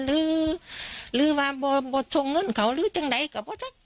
รื้อรื้อแบบบ่ตรงเงินเขาหรือจังไงกับว่าจ๊ะ